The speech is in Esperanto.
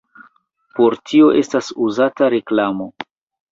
Por tio estas uzata reklamo.